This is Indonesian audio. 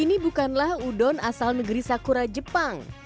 ini bukanlah udon asal negeri sakura jepang